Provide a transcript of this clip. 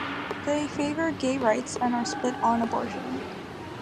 They favor gay rights, and are split on abortion.